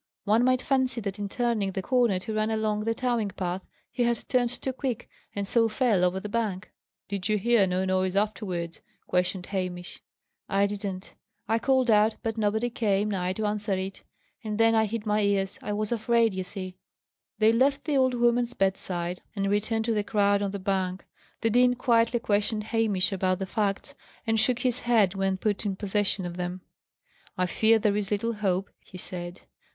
One might fancy that in turning the corner to run along the towing path he had turned too quick, and so fell over the bank." "Did you hear no noise afterwards?" questioned Hamish. "I didn't. I called out, but nobody came nigh to answer it: and then I hid my ears. I was afraid, ye see." They left the old woman's bedside, and returned to the crowd on the bank. The dean quietly questioned Hamish about the facts, and shook his head when put in possession of them. "I fear there is little hope," he said.